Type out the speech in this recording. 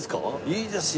いいですよ！